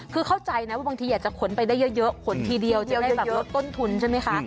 คือเข้าใจนะว่าบางทีอยากจะขนไปได้เยอะขนทีเดียวจะได้แบบลดต้นทุนใช่ไหมคะ